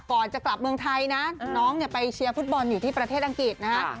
ก่อนจะกลับเมืองไทยนะน้องเนี่ยไปเชียร์ฟุตบอลอยู่ที่ประเทศอังกฤษนะฮะ